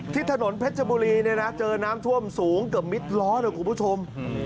ที่ถนนเพชรบุรีเจอน้ำท่วมสูงเกือบมิดร้อนครับคุณผู้ชม